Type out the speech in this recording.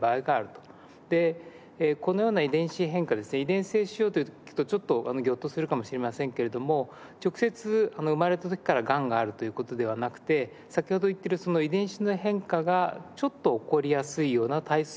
でこのような遺伝子変化ですね遺伝性腫瘍と聞くとちょっとギョッとするかもしれませんけれども直接生まれた時からがんがあるという事ではなくて先ほど言ってるその遺伝子の変化がちょっと起こりやすいような体質を持ってる。